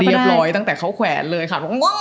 เรียบร้อยตั้งแต่เค้าแขวนเลยค่ะ